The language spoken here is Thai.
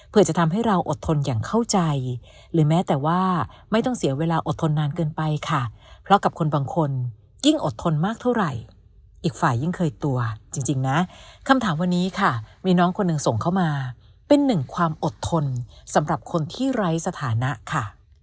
เพื่อจะทำให้เราอดทนอย่างเข้าใจหรือแม้แต่ว่าไม่ต้องเสียเวลาอดทนนานเกินไปค่ะเพราะกับคนบางคนยิ่งอดทนมากเท่าไหร่อีกฝ่ายยิ่งเคยตัวจริงนะคำถามวันนี้ค่ะมีน้องคนหนึ่งส่งเข้ามาเป็นหนึ่งความอดทนสำหรับคนที่ไร้สถานะค่ะ